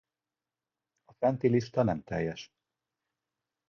A fenti lista nem teljes.